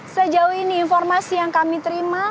sejauh ini informasi yang kami terima